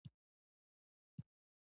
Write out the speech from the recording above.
د ژبارواپوهنې په نوم یوه څانګه رامنځته کوي